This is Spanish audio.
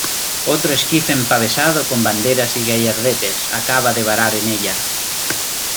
otro esquife empavesado con banderas y gallardetes, acababa de varar en ella